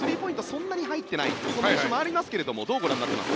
そんなに入っていない印象もありますけどどう見ています？